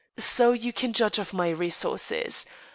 So you can judge of my resources.